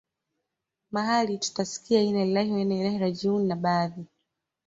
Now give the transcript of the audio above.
mahali utasikia innalillah wainnailah rajiuun na baadhi